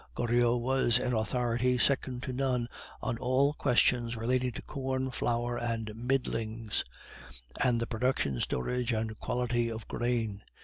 Goriot was an authority second to none on all questions relating to corn, flour, and "middlings"; and the production, storage, and quality of grain.